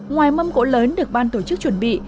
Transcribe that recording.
ngoài mâm cỗ lớn được ban tổ chức chuẩn bị